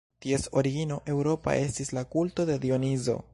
Ties origino eŭropa estis la kulto de Dionizo.